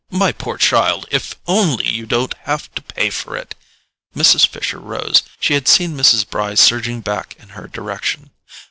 My poor child, if only you don't have to pay for it!" Mrs. Fisher rose—she had seen Mrs. Bry surging back in her direction.